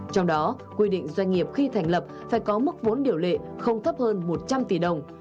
trong đó quy định doanh nghiệp khi thành lập phải có mức vốn điều lệ không thấp hơn một trăm linh tỷ đồng